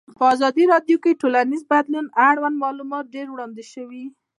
په ازادي راډیو کې د ټولنیز بدلون اړوند معلومات ډېر وړاندې شوي.